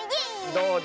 どうだ？